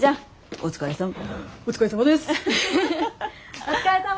お疲れさま！